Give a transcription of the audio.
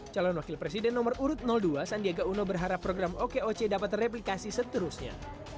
dalam nomor urut dua sandiaga uno berharap program okoc dapat terreplikasi seterusnya